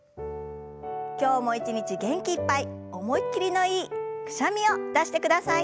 今日も一日元気いっぱい思いっきりのいいくしゃみを出して下さい！